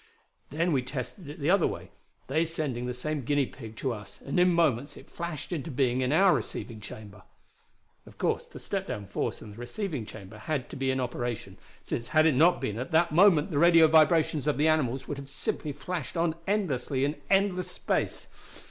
"Then we tested it the other way, they sending the same guinea pig to us, and in moments it flashed into being in our receiving chamber. Of course the step down force in the receiving chamber had to be in operation, since had it not been at that moment the radio vibrations of the animal would have simply flashed on endlessly in endless space.